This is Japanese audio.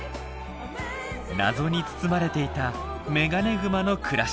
謎に包まれていたメガネグマの暮らし。